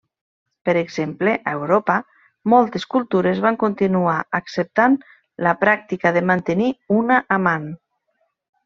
Per exemple, a Europa, moltes cultures van continuar acceptant la pràctica de mantenir una amant.